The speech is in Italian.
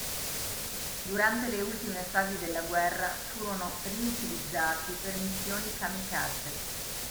Durante le ultima fasi della guerra furono riutilizzati per missioni kamikaze.